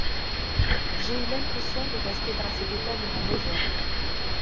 J’ai eu l’impression de rester dans cet état durant des heures.